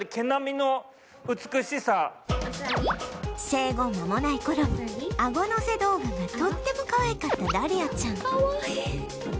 生後まもない頃アゴのせ動画がとってもかわいかったダリアちゃん